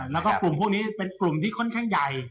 แล้วก็กลุ่มพวกนี้เป็นกลุ่มที่ค่อนข้างใหญ่